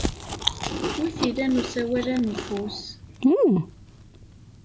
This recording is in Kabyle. Wi t-ilan usawal-a n ufus?